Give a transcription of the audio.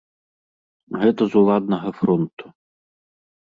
Гэта з уладнага фронту.